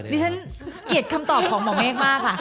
ดิฉันเกลียดคำตอบของหมอเมฆมากค่ะ